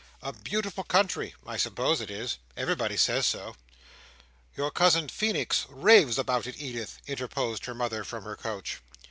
"A beautiful country!" "I suppose it is. Everybody says so." "Your cousin Feenix raves about it, Edith," interposed her mother from her couch.